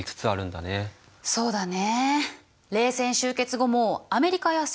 そうだね。